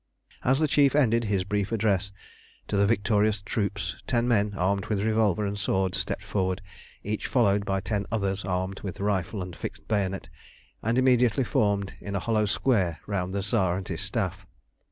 As the Chief ended his brief address to the victorious troops ten men, armed with revolver and sword, stepped forward, each followed by ten others armed with rifle and fixed bayonet, and immediately formed in a hollow square round the Tsar and his Staff.